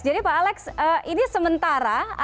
jadi pak alex ini sementara